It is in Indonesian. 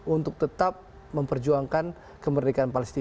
untuk tetap memperjuangkan kemerdekaan palestina